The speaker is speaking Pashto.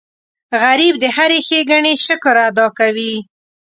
غریب د هرې ښېګڼې شکر ادا کوي